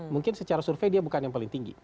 mungkin secara survei dia bukan yang paling tinggi